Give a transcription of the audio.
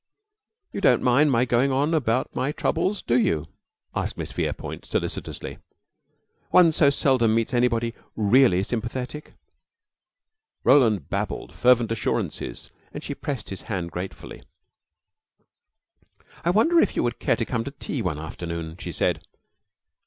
"You don't mind my going on about my troubles, do you?" asked Miss Verepoint, solicitously. "One so seldom meets anybody really sympathetic." Roland babbled fervent assurances, and she pressed his hand gratefully. "I wonder if you would care to come to tea one afternoon," she said.